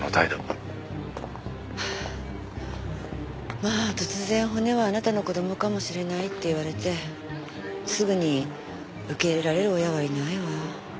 まあ突然骨はあなたの子供かもしれないって言われてすぐに受け入れられる親はいないわ。